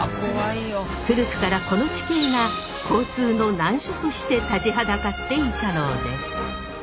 古くからこの地形が交通の難所として立ちはだかっていたのです。